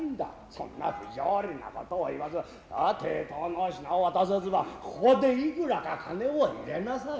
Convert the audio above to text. そんな不條理なことを言わず抵当の品を渡さずばここでいくらか金を入れなさい。